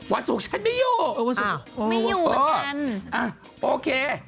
วันสุขมองไม่อยู่เหมือนกัน